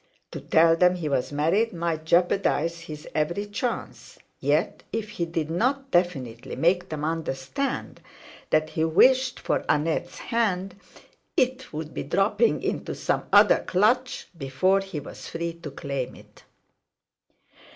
To tell them he was married might jeopardise his every chance; yet, if he did not definitely make them understand that he wished for Annette's hand, it would be dropping into some other clutch before he was free to claim it.